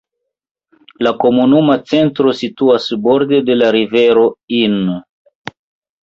La komunuma centro situas borde de la rivero Inn.